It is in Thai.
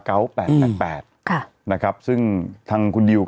เกยร้นเข่ง